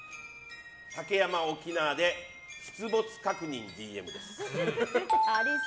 竹山沖縄で出没確認ＤＭです。